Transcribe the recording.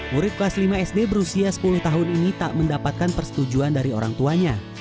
murid kelas lima sd berusia sepuluh tahun ini tak mendapatkan persetujuan dari orang tuanya